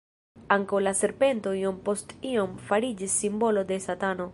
Ankaŭ la serpento iom post iom fariĝis simbolo de Satano.